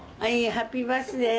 ハッピーバースデー。